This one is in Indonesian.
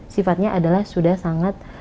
sifatnya adalah sudah sangat